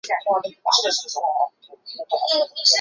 王隆之子。